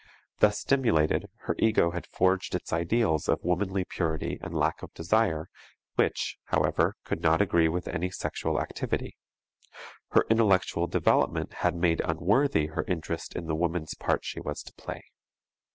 Thus stimulated, her ego had forged its ideals of womanly purity and lack of desire which, however, could not agree with any sexual activity; her intellectual development had made unworthy her interest in the woman's part she was to play.